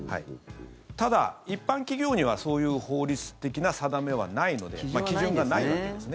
ただ、一般企業にはそういう法律的な定めはないので基準がないわけですね。